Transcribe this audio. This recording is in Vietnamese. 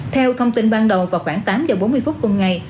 theo thông tin ban đầu vào khoảng tám h bốn mươi phút tuần ngày